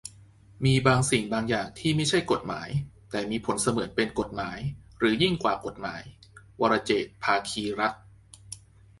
"มีบางสิ่งบางอย่างที่ไม่ใช่กฎหมาย แต่มีผลเสมือนเป็นกฎหมาย หรือยิ่งกว่ากฎหมาย" - วรเจตน์ ภาคีรัตน์